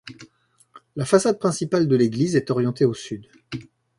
La façade principale de l'église est orientée au sud.